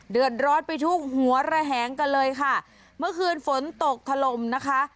เดือดร้อนไปทุกหัวระแหงกันเลยค่ะเมื่อคืนฝนตกถล่มนะคะ